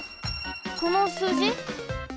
このすうじ？